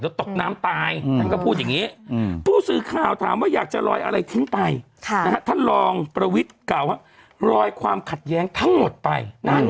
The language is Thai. เดี๋ยวตกน้ำตายท่านก็พูดอย่างนี้ผู้สื่อข่าวถามว่าอยากจะลอยอะไรทิ้งไปท่านรองประวิทย์กล่าวว่ารอยความขัดแย้งทั้งหมดไป